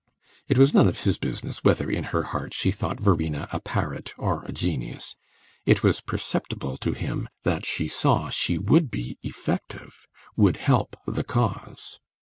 It was none of his business whether in her heart she thought Verena a parrot or a genius; it was perceptible to him that she saw she would be effective, would help the cause.